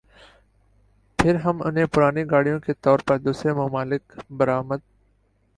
پھر ہم انہیں پرانی گاڑیوں کے طور پر دوسرے ممالک برآ